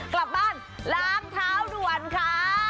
กลับบ้านล้างเท้าด่วนค่ะ